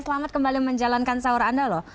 selamat kembali menjalankan sahur anda loh